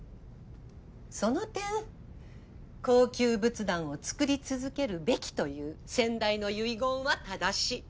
その点高級仏壇を作り続けるべきという先代の遺言は正しい。